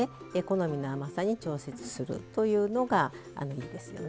好みの甘さに調節するというのがいいですよね。